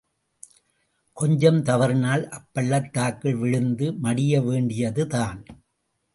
கொஞ்சம் தவறினால் அப்பள்ளத்தாக்கில் விழுந்து மடியவேண்டியதுதான்.